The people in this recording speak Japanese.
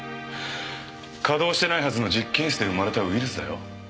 稼動してないはずの実験室で生まれたウイルスだよ？